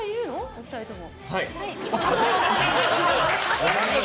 お二人とも。